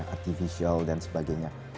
artificial dan sebagainya